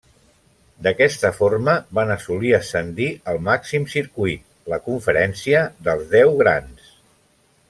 D'aquesta forma van assolir ascendir al màxim circuit, la conferència dels Deu Grans.